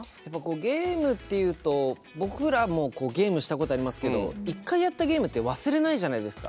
ゲームっていうと僕らもゲームしたことありますけど１回やったゲームって忘れないじゃないですか。